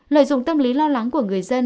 lợi dụng tâm lý lo lắng của người dân